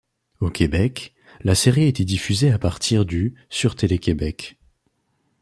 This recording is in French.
Au Québec, la série a été diffusée à partir du sur Télé-Québec.